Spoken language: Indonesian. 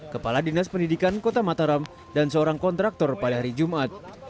kepala dinas pendidikan kota mataram dan seorang kontraktor pada hari jumat